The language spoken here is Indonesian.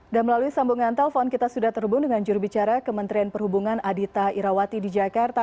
dan melalui sambungan telpon kita sudah terhubung dengan jurubicara kementerian perhubungan adhita irawati di jakarta